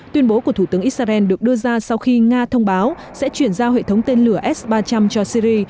tuyên bố của thủ tướng israel được đưa ra sau khi nga thông báo sẽ chuyển giao hệ thống tên lửa s ba trăm linh cho syri